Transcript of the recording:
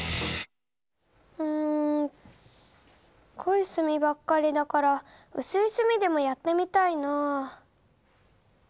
うん濃い墨ばっかりだから薄い墨でもやってみたいな。